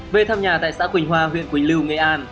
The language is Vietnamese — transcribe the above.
về thăm nhà tại xã quỳnh hòa huyện quỳnh lưu nghệ an